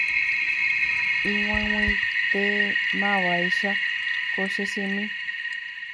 ig̃uaig̃uietémavaicha ko che symi